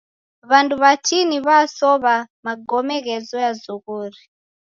W'andu w'atini w'asowa magome ghezoya zoghori.